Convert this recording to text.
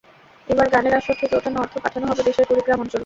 এবার গানের আসর থেকে ওঠানো অর্থ পাঠানো হবে দেশের কুড়িগ্রাম অঞ্চলে।